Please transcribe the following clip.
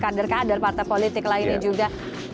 kader kader partai politik lainnya juga